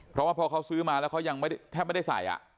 เพราะว่าพอเขาซื้อมาแล้วเขายังไม่ได้แทบไม่ได้ใส่